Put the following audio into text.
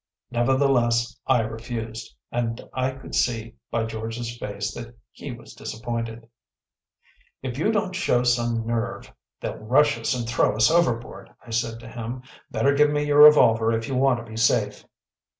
Nevertheless I refused, and I could see by George’s face that he was disappointed. “If you don’t show some nerve, they’ll rush us and throw us overboard,‚ÄĚ I said to him. “Better give me your revolver, if you want to be safe.